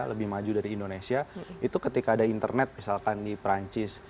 lebih maju dari indonesia itu ketika ada internet misalkan di perancis